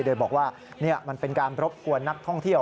โดยบอกว่านี่มันเป็นการรบกวนนักท่องเที่ยว